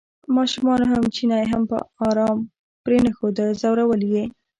ماشومانو هم چینی په ارام پرېنښوده ځورول یې.